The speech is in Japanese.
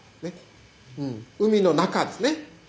うん海の中ですね。